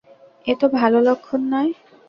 এ তো ভালো লক্ষণ নয়।